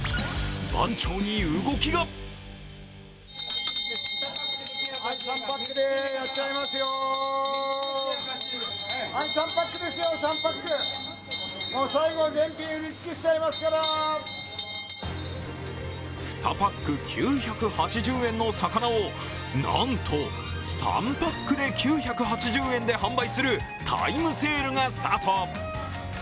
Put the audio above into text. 番長に動きが２パック９８０円の魚をなんと３パックで９８０円で販売するタイムセールがスタート。